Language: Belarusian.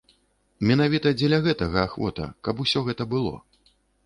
Менавіта дзеля гэтага ахвота, каб усё гэта было.